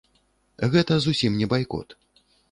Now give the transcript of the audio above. Гэта зусім не байкот.